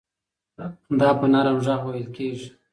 دا په نرم غږ وېل کېږي.